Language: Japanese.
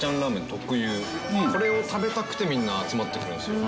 特有これを食べたくてみんな集まってくるんすよ